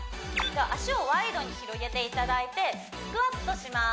足をワイドに広げていただいてスクワットします